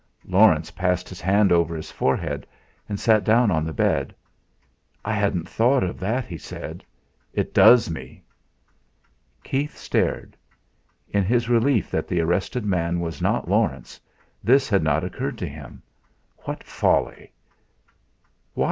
Laurence passed his hand over his forehead, and sat down on the bed. "I hadn't thought of that," he said; "It does me!" Keith stared. In his relief that the arrested man was not Laurence, this had not occurred to him. What folly! "Why?"